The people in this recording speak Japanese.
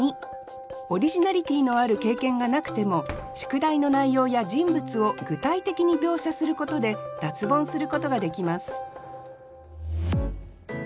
オリジナリティーのある経験がなくても宿題の内容や人物を具体的に描写することで脱ボンすることができます